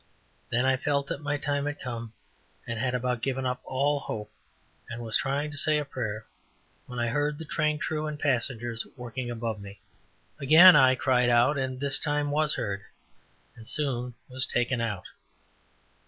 Then I felt that my time had come, and had about given up all hope, and was trying to say a prayer, when I heard the train crew and passengers working above me. Again I cried out and this time was heard, and soon was taken out.